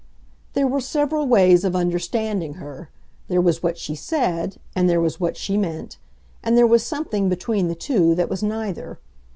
There were several ways of understanding her: there was what she said, and there was what she meant, and there was something, between the two, that was neither.